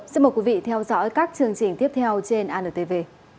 xin mời quý vị theo dõi các chương trình tiếp theo trên antv